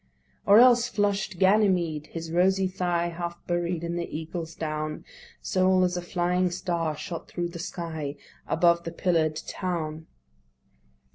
Or else flush'd Ganymede, his rosy thigh Half buried in the Eagle's down, Sole as a flying star shot thro' the sky Above the pillar'd town.